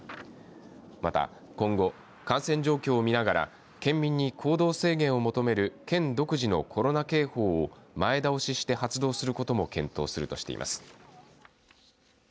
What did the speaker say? また今後、感染状況をみながら県民に行動制限を求める県独自のコロナ警報を前倒しして発動することも検討するとしています。